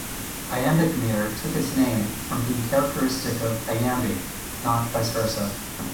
Iambic metre took its name from being characteristic of "iambi", not vice versa.